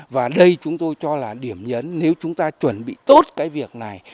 và đây chúng tôi cho là điểm nhấn nếu chúng ta chuẩn bị tốt cái việc này